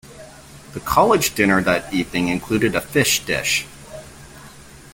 The college dinner that evening included a fish dish.